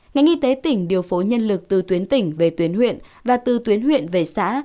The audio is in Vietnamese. ngành y tế tỉnh điều phối nhân lực từ tuyến tỉnh về tuyến huyện và từ tuyến huyện về xã